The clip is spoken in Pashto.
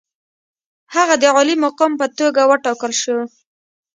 هغه د عالي مقام په توګه وټاکل شو.